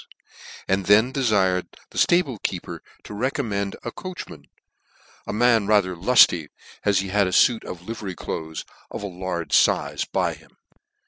327 purchafe, and then defired the ftable keeper to recommand him a coachman, a man rather lufty, as he had a fii it of liverycloathsof a large fize by him.